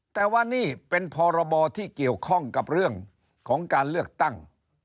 แต่ว่านี่เป็นพรบที่เกี่ยวข้องกับเรื่องของการเลือกตั้ง